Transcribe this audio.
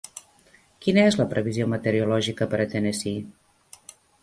quina és la previsió meteorològica per a Tennessee